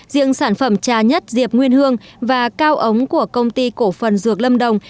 riêng sản phẩm trà nhất diệp nguyên hương và cao ống của công ty cổ phần dược lâm đồng